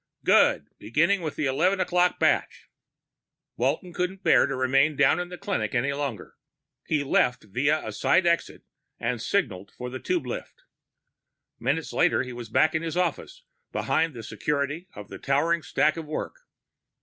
"Good. Begin with the 1100 batch." Walton couldn't bear to remain down in the clinic any longer. He left via a side exit, and signaled for a lift tube. Minutes later he was back in his office, behind the security of a towering stack of work.